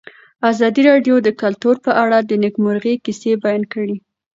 ازادي راډیو د کلتور په اړه د نېکمرغۍ کیسې بیان کړې.